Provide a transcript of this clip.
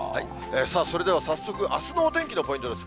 それでは早速、あすのお天気のポイントです。